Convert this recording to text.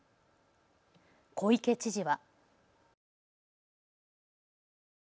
小池知事は。